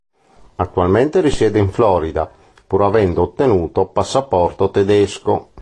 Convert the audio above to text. Attualmente risiede in Florida, pur avendo ottenuto passaporto tedesco.